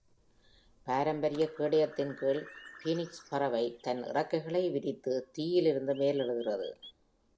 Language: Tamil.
பாரம்பரிய கேடயத்தின் கீழ், ஃபீனிக்ஸ் பறவை தன் இறக்கைகளை விரித்து தீயிலிருந்து மேலெழுகிறது.